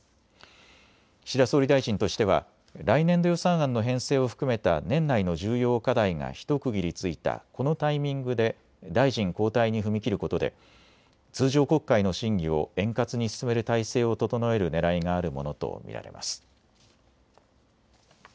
岸田総理大臣としては来年度予算案の編成を含めた年内の重要課題が一区切りついたこのタイミングで大臣交代に踏み切ることで通常国会の審議を円滑に進める体制を整えるねらいがあるものと見られます。